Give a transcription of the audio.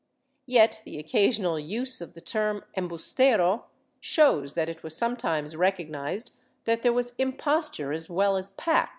Yet the occasional use of the term embiistero shows that it was sometimes recognized that there was imposture as well as pact.